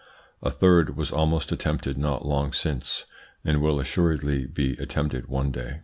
A third was almost attempted not long since, and will assuredly be attempted one day.